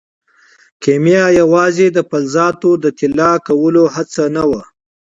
کیمیا یوازې د فلزاتو د طلا کولو هڅه نه وه.